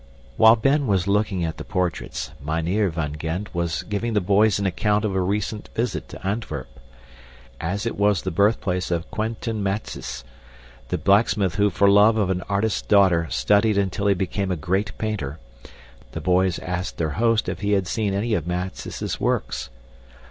While Ben was looking at the portraits, Mynheer van Gend was giving the boys an account of a recent visit to Antwerp. As it was the birthplace of Quentin Matsys, the blacksmith who for love of an artist's daughter studied until he became a great painter, the boys asked their host if he had seen any of Matsys' works.